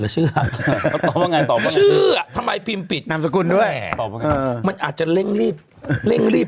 ชื่ออ่ะทัมธนำสกุลด้วยอ่ะมันอาจจะเร่งรีบเล่งรีบ